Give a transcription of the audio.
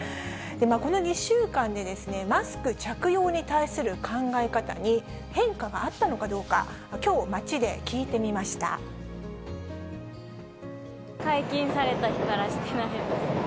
この２週間で、マスク着用に対する考え方に変化はあったのかどうか、解禁された日からしてないです。